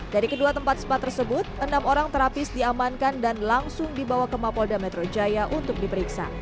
dari kedua tempat spa tersebut enam orang terapis diamankan dan langsung dibawa ke mapolda metro jaya untuk diperiksa